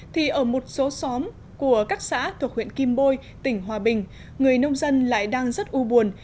thì ở một số xóm của các xã thuộc huyện kim bôi tỉnh hòa bình người nông dân lại đang rất u buồn